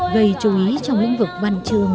gây chú ý trong lĩnh vực văn trương